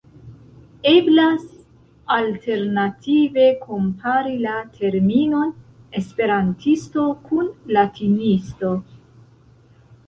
Eblas alternative kompari la terminon 'esperantisto' kun 'latinisto'.